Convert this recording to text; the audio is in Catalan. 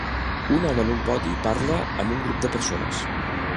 Un home en un podi parla amb un grup de persones.